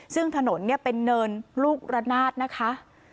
ซึ่งถนนเป็นเนินลูกระนาดนะคะ